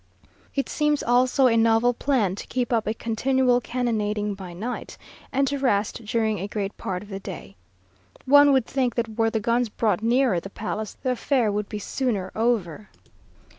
It seems also a novel plan to keep up a continual cannonading by night, and to rest during a great part of the day. One would think that were the guns brought nearer the palace, the affair would be sooner over.